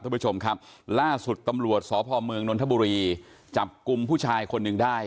ท่านผู้ชมครับล่าสุดตำรวจสพเมืองนนทบุรีจับกลุ่มผู้ชายคนหนึ่งได้